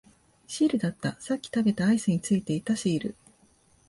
シールだった、さっき食べたアイスについていたシール